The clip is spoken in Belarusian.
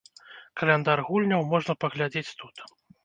Каляндар гульняў можна паглядзець тут.